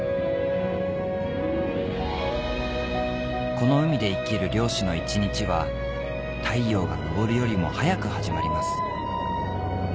この海で生きる漁師の一日は太陽が昇るよりも早く始まります